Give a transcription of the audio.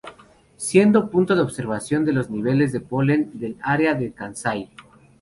Siendo punto de observación de los niveles de polen del área de Kansai.